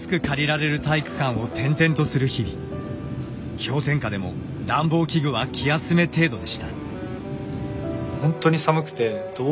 氷点下でも暖房器具は気休め程度でした。